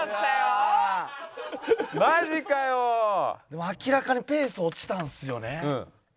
でも明らかにペース落ちたんですよね。